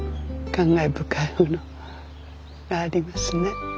感慨深いものがありますね。